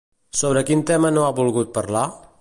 Sobre quin tema no ha volgut parlar?